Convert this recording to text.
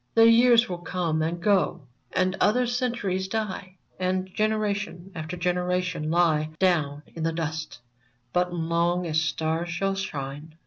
The years will come and go, and other centuries die, And generation after generation lie Down in the dust ; but, long as stars shall shine.